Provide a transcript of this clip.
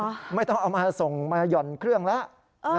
หรอไม่ต้องส่งมาย่อนเครื่องแล้ว